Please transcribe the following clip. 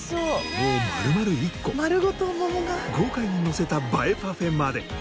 桃を丸々１個豪快にのせた映えパフェまで！